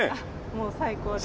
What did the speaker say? もう最高です。